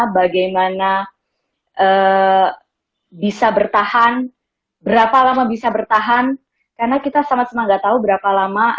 bagaimana bisa bertahan berapa lama bisa bertahan karena kita sama sama gak tahu berapa lama